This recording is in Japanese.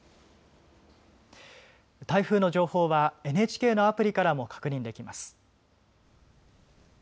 台風の情報はＮＨＫのアプリからも確認できます。